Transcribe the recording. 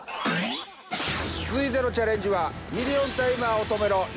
続いてのチャレンジはイェイ！